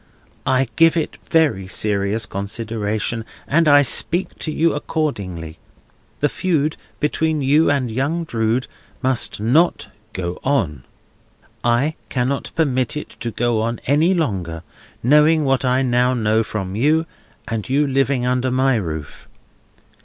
I give it very serious consideration, and I speak to you accordingly. This feud between you and young Drood must not go on. I cannot permit it to go on any longer, knowing what I now know from you, and you living under my roof.